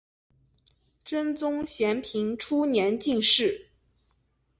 真宗咸平初年进士。